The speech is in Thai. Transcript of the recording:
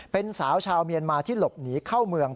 เป็นสาวชาวเมียนมาที่หลบหนีเข้าเมือง